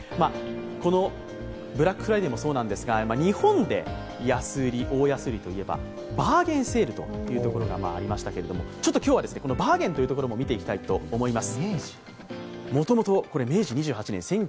このブラックフライデーもそうですが、日本で大安売りといえばバーゲンセールというものがありましたが今日はバーゲンというところも見ていきたいと思います。